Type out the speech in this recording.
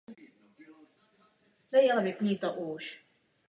Irská kolej při Pařížské univerzitě patřila k největším co do počtu studentů i vlivu.